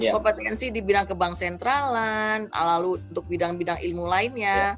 kompetensi di bidang kebang sentralan lalu untuk bidang bidang ilmu lainnya